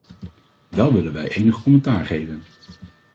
Wel willen wij enig commentaar geven.